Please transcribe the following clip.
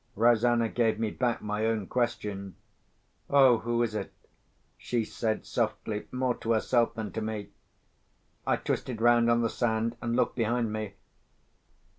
Rosanna gave me back my own question. "Oh! who is it?" she said softly, more to herself than to me. I twisted round on the sand and looked behind me.